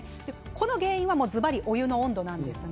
この原因はずばりお湯の温度です。